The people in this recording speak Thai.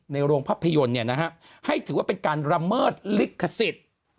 โรงภาพยนตร์ให้ถือว่าเป็นการละเมิดลิขสิทธิ์